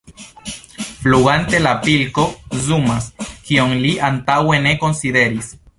Flugante la pilko zumas, kion li antaŭe ne konsideris.